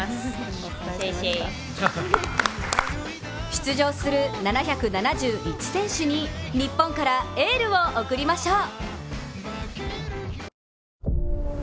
出場する７７１選手に日本からエールを送りましょう！